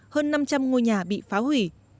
hơn năm trăm linh ngôi nhà bị phá hủy